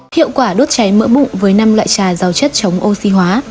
hiệu quả đốt cháy mỡ bụng với năm loại trà giàu chất chống oxy hóa